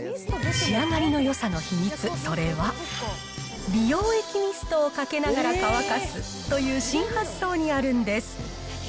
仕上がりのよさの秘密、それは、美容液ミストをかけながら乾かすという新発想にあるんです。